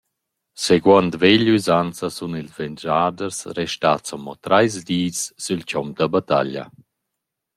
Seguond vegl’üsanza sun ils vendschaders restats amo trais dis sül chomp da battaglia.